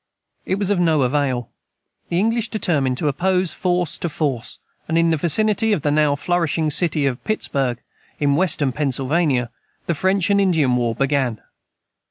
It was of no avail. The English determined to oppose force to force; and in the vicinity of the now flourishing city of Pittsburg, in western Pennsylvania, the "French and Indian War" began.